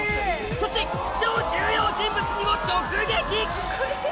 そして超重要人物にも直撃！